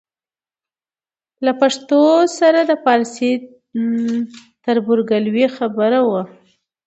له پښتو سره د پارسي د تربورګلوۍ خبره وه.